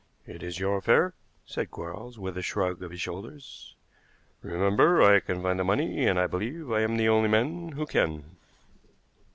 "It is your affair," said Quarles, with a shrug of his shoulders. "Remember I can find the money, and I believe I am the only man who can."